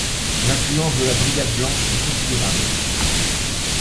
L'influence de la Brigade blanche fut considérable.